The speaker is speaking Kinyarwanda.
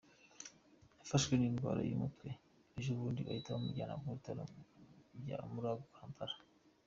Yafashwe n’indwara y’umutwe ejobundi bahita bamujyana mu bitaro bya Murago Kampala.